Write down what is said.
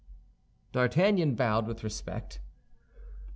D'Artagnan bowed with respect.